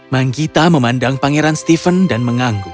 manggita memandang pangeran stephen dan mengangguk